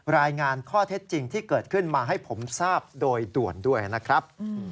รายงานข้อเท็จจริงที่เกิดขึ้นมาให้ผมทราบโดยด่วนด้วยนะครับ